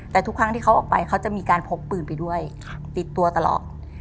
แต่ทุกครั้งที่เขาออกไปเขาจะมีการพกปืนไปด้วยติดตัวตลอด